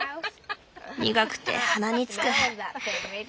苦くて鼻につく。